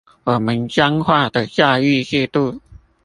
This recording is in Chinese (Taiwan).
我們僵化的教育制度